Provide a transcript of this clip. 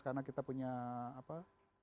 karena kita punya apa